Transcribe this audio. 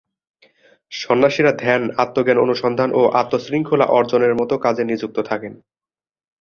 সন্ন্যাসীরা ধ্যান, আত্ম-জ্ঞান অনুসন্ধান ও আত্ম-শৃঙ্খলা অর্জনের মতো কাজে নিযুক্ত থাকেন।